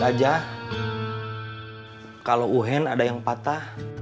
awak mau menutup tangannya